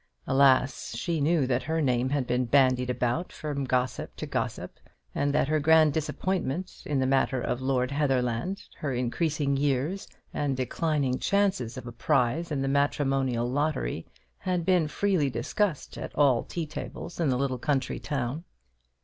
Alas! she knew that her name had been bandied about from gossip to gossip; and that her grand disappointment in the matter of Lord Heatherland, her increasing years, and declining chances of a prize in the matrimonial lottery had been freely discussed at all the tea tables in the little country town.